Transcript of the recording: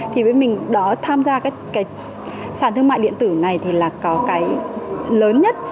thì với mình đó tham gia các cái sản thương mại điện tử này thì là có cái lớn nhất